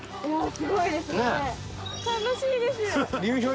すごいですね。